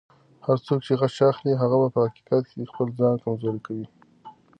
هر څوک چې غچ اخلي، هغه په حقیقت کې خپل ځان کمزوری کوي.